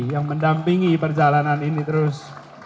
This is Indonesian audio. yang mendampingi perjalanan ini terus